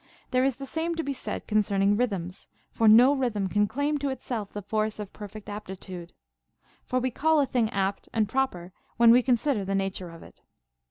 There is the same to be said concerning rhythms, for no rhythm can claim to it self the force of perfect aptitude. For we call a thing apt and proper when we consider the nature of it.